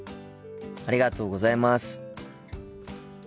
ありがとうございます。